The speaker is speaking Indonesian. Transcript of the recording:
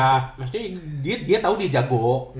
maksudnya dia tahu dia jago